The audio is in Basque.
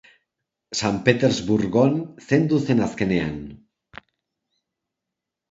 San Petersburgon zendu zen azkenean.